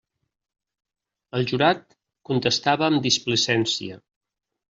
El jurat contestava amb displicència.